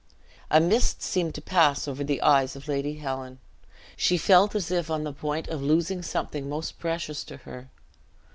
A mist seemed to pass over the eyes of Lady Helen. She felt as if on the point of losing something most precious to her.